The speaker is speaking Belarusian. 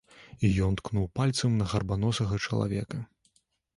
І ён ткнуў пальцам на гарбаносага чалавека.